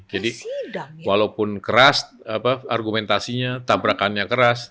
walaupun keras argumentasinya tabrakannya keras